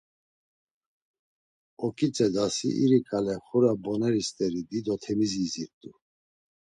Oǩitzedasi iri ǩale xura mboneri st̆eri dido temizi izirt̆u.